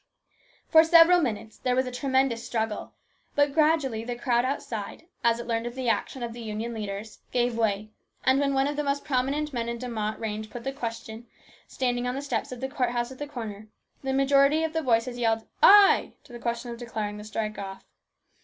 For several minutes there was a tremendous struggle, but gradually the crowd outside, as it learned of the action of the Union leaders, gave way, and when one of the most prominent men in the De Mott range put the question, standing on the steps of the court house at the corner, the majority of the voices yelled " Ay !" to the question declaring the strike off.